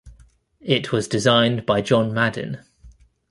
It was designed by John Madin.